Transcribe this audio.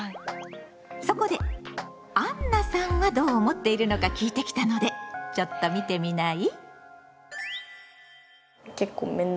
そこであんなさんはどう思っているのか聞いてきたのでちょっと見てみない？